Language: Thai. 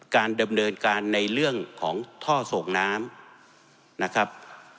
การดำเนินการในเรื่องของท่อส่งน้ำนะครับ